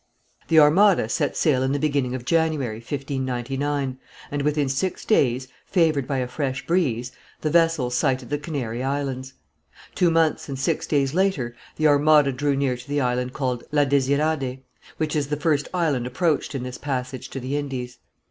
The armada set sail in the beginning of January, 1599, and within six days, favoured by a fresh breeze, the vessels sighted the Canary Islands. Two months and six days later the armada drew near to the island called La Désirade, which is the first island approached in this passage to the Indies.